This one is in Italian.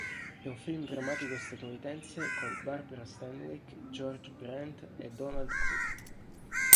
È un film drammatico statunitense con Barbara Stanwyck, George Brent e Donald Cook.